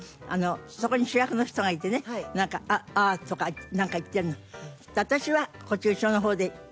そこに主役の人がいてねなんか「ああ」とかなんか言ってるの。